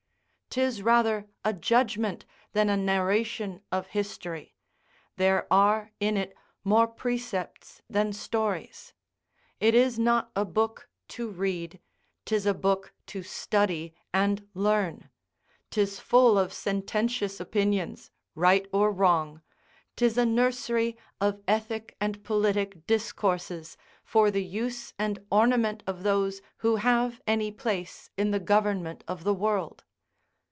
'Tis rather a judgment than a narration of history; there are in it more precepts than stories: it is not a book to read, 'tis a book to study and learn; 'tis full of sententious opinions, right or wrong; 'tis a nursery of ethic and politic discourses, for the use and ornament of those who have any place in the government of the world.